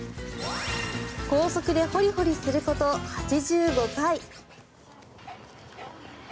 高速でホリホリすること８５回。